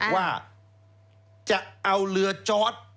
ว่าจะเอาเรือจอด